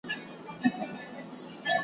د غوايی په غاړه ولي زنګوله وي .